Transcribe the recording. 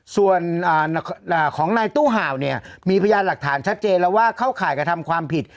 ส่วนของนายตู้ห่าวเนี่ยมีพยานหลักฐานชัดเจนแล้วว่าเข้าข่ายกระทำความผิด